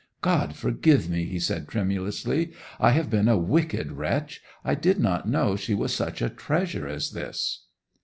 'God forgive me!' he said tremulously. 'I have been a wicked wretch. I did not know she was such a treasure as this!